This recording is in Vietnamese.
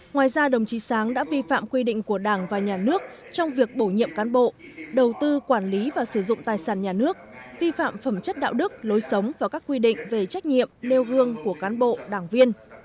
ngoài ra đồng chí sáng đã vi phạm quy định của đảng và nhà nước trong việc bổ nhiệm cán bộ đầu tư quản lý và sử dụng tài sản nhà nước vi phạm phẩm chất đạo đức lối sống và các quy định về trách nhiệm nêu gương của cán bộ đảng viên